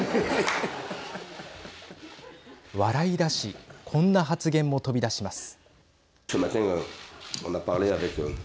笑いだしこんな発言も飛び出します。